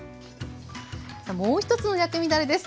さあもう一つの薬味だれです。